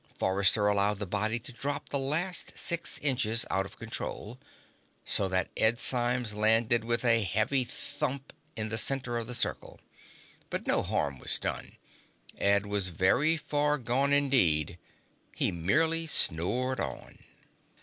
Forrester allowed the body to drop the last six inches out of control, so that Ed Symes landed with a heavy thump in the center of the circle. But no harm was done. Ed was very far gone indeed; he merely snored on.